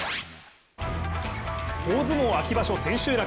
大相撲秋場所千秋楽。